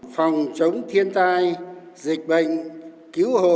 phòng chống thiên tai dịch bệnh cứu hồn